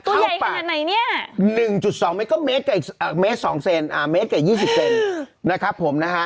ตัวใหญ่ขนาดไหนเนี่ย๑๒เมตรก็เมตร๒เซนเมตรกับ๒๐เซนนะครับผม